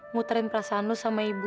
mutarin perasaan lu sama ibu lu